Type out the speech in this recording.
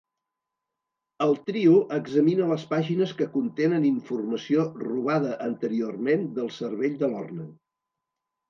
El trio examina les pàgines que contenen informació robada anteriorment del cervell de Lorne.